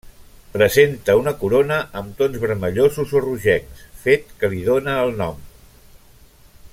Presenta una corona amb tons vermellosos o rogencs, fet que li dóna el nom.